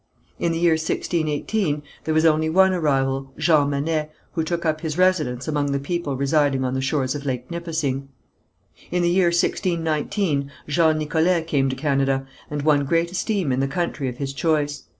In the year 1618 there was only one arrival, Jean Manet, who took up his residence among the people residing on the shores of Lake Nipissing. In the year 1619 Jean Nicolet came to Canada, and won great esteem in the country of his choice.